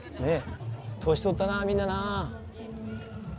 年取ったなぁみんななぁ。